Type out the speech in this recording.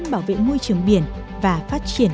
bảo vệ môi trường biển và phát triển